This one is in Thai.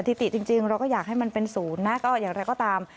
ติจริงเราก็อยากให้มันเป็นศูนย์นะก็อย่างไรก็ตาม